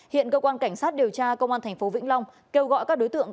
hiện cơ quan cảnh sát điều tra công an thành phố vĩnh long kêu gọi các đối tượng